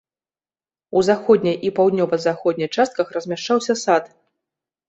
У заходняй і паўднёва-заходняй частках размяшчаўся сад.